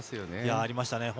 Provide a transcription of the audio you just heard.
ありましたね。